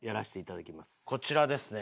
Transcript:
こちらですね。